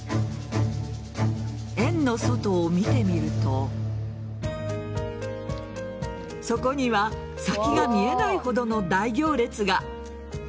園の外を見てみるとそこには先が見えないほどの大行列が。